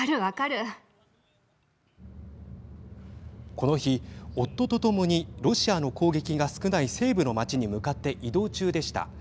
この日、夫とともにロシアの攻撃が少ない西部の町に向かって移動中でした。